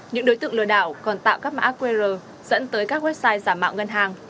những đối tượng lừa đảo còn tạo các mã qr dẫn tới các website giảm mạng ngân hàng